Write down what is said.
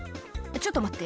ちょっと待って」